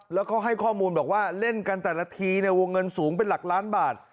แล้วเขาให้ข้อมูลบอกว่าเล่นกันแต่ละทีวงเงินสูงเป็นหลักล้านบาท